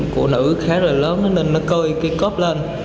của nữ khá là lớn nên nó cơi cây cốp lên